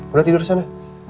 udah tidur sana